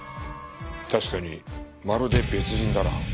確かにまるで別人だな。